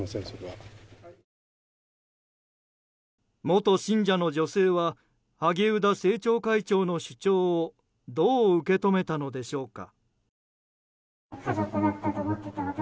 元信者の女性は萩生田政調会長の主張をどう受け止めたのでしょうか。